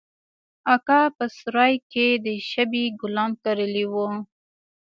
اکا په سراى کښې د شبۍ ګلان کرلي وو.